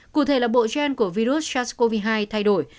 cụ thể là bộ gen của virus sars cov hai thay đổi